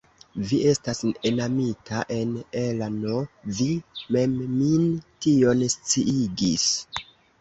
Vi estas enamita en Ella'n vi mem min tion sciigis.